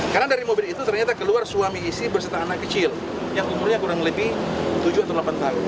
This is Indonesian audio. karena dari mobil itu ternyata keluar suami isi bersama anak kecil yang umurnya kurang lebih tujuh atau delapan tahun